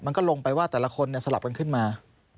มันก็ลงไปว่าแต่ละคนสลับกันขึ้นมา